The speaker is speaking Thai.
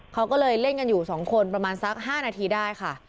เขาก็เลยเล่นกันอยู่๒คนประมาณสัก๕นาทีได้ค่ะ